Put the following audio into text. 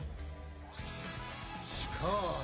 しかし！